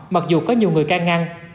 mặc dù có nhiều người can ngăn